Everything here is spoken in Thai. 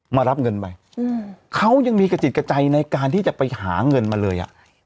มารับเงินไปเขายังมีกระจิตกระใจในการที่จะไปหาเงินมาเลยอ่ะ